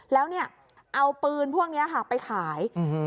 แล้วเนี่ยเอาปืนพวกเนี้ยค่ะไปขายอื้อฮือ